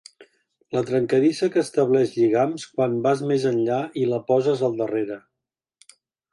La trencadissa que estableix lligams quan vas més enllà i la poses al darrere.